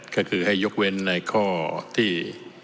ก็คือให้ยกเว้นในข้อที่